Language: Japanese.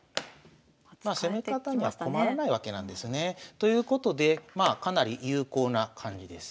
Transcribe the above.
まあ攻め方には困らないわけなんですね。ということでまあかなり有効な感じです。